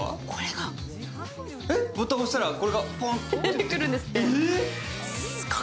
ボタン押したらこれがポンっと出てくるんですか。